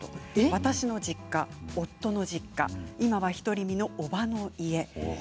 私の実家、夫の実家今は独り身のおばの家。